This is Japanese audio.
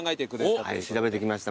はい調べてきました